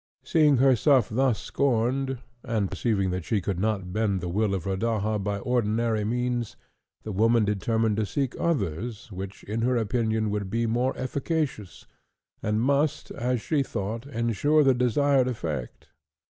Seeing herself thus scorned, and perceiving that she could not bend the will of Rodaja by ordinary means, the woman determined to seek others, which in her opinion would be more efficacious, and must, as she thought, ensure the desired effect.